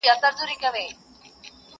یوه سیوري ته دمه سو لکه مړی!!